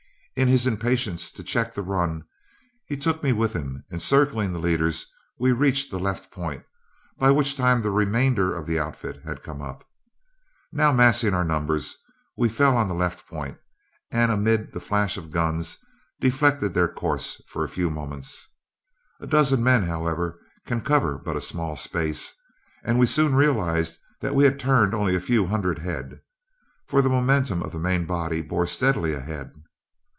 In his impatience to check the run, he took me with him, and circling the leaders we reached the left point, by which time the remainder of the outfit had come up. Now massing our numbers, we fell on the left point, and amid the flash of guns deflected their course for a few moments. A dozen men, however, can cover but a small space, and we soon realized that we had turned only a few hundred head, for the momentum of the main body bore steadily ahead.